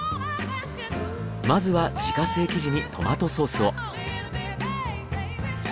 まずは自家製生地にトマトソースを。